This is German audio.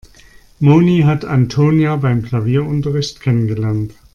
Moni hat Antonia beim Klavierunterricht kennengelernt.